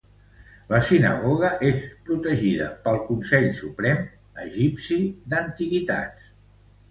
La sinagoga és protegida pel consell suprem egipci d'antiguitats.